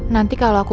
nanti kalau aku